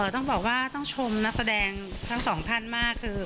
ต้องบอกว่าต้องชมนักแสดงทั้งสองท่านมากคือ